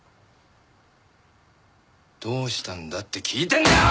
どうしたんだって聞いてんだよ！